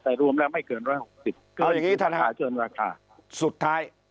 แต่รวมแล้วไม่เกินร้อยหกสิบเอาอย่างงี้ท่านฮะสุดท้าย